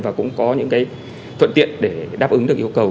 và cũng có những cái thuận tiện để đáp ứng được yêu cầu